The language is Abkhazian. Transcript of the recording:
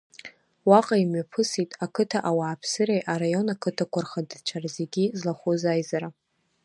Уаҟа имҩаԥысит ақыҭа ауааԥсыреи, араион ақыҭақәа рхадацәа зегьы злахәыз аизара.